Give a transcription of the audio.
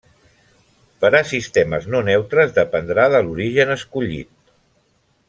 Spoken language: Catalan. Per a sistemes no neutres dependrà de l'origen escollit.